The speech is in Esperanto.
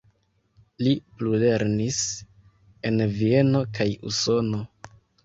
Li plulernis en Vieno kaj Usono.